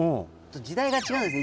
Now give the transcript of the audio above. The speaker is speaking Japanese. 時代が違うんですね。